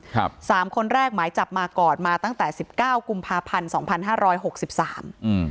สามคนแรกหมายจับมาก่อนมาตั้งแต่สิบเก้ากุมภาพันธ์สองพันห้าร้อยหกสิบสามอืม